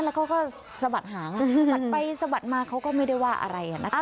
แล้วเขาก็สะบัดหางสะบัดไปสะบัดมาเขาก็ไม่ได้ว่าอะไรนะคะ